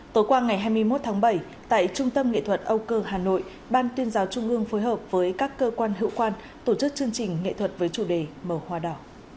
tối qua ngày hai mươi một tháng bảy tại trung tâm nghệ thuật âu cơ hà nội ban tuyên giáo trung ương phối hợp với các cơ quan hữu quan tổ chức chương trình nghệ thuật với chủ đề màu hoa đỏ